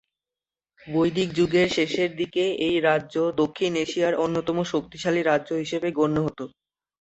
বৈদিক যুগের শেষের দিকে এই রাজ্য দক্ষিণ এশিয়ার অন্যতম শক্তিশালী রাজ্য হিসেবে গণ্য হত।